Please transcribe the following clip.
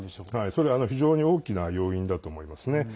それは非常に大きな要因だと思いますね。